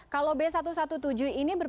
kalau b satu ratus tujuh belas ini